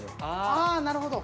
ああなるほど。